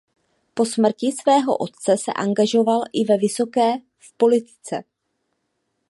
Po smrti svého otce se angažoval i ve vysoké v politice.